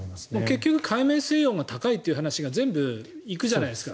結局海面水温が高いという話が全部行くじゃないですか。